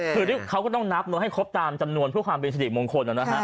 คือเขาก็ต้องนับให้ครบตามจำนวนเพื่อความเป็นสิริมงคลนะฮะ